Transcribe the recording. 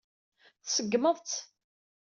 Tṣeggmeḍ-tt.